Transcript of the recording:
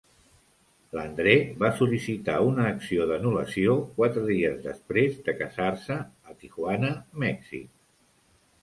L"Andre va sol·licitar una acció d"anulació quatre dies després de casar-se a Tijuana, Mèxic.